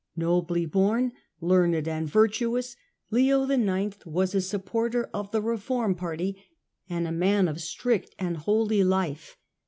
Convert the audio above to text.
Nobly born, learned and virtuous, Leo IX. was a supporter of the reform party, and a man of strict and holy life.